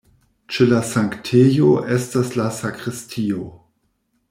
Ĉe la sanktejo estas la sakristio.